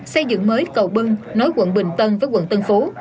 xây dựng mới cầu bưng nối quận bình tân với quận tân phú